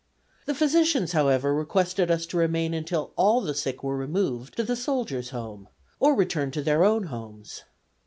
The physicians, however, requested us to remain until all the sick were removed to the Soldiers' Home, or returned to their own homes.